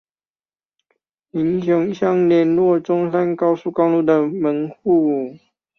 民雄鄉聯絡中山高速公路的門戶